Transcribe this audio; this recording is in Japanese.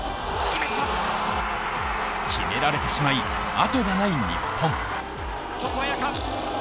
決められてしまい、後がない日本。